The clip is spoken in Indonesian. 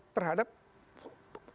terhadap soal pemisahan